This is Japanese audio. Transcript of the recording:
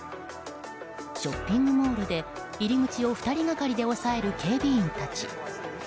ショッピングモールで入り口を２人がかりで押さえる警備員たち。